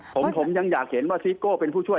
ผมยังอยากเห็นว่าซิโก้เป็นผู้ช่วย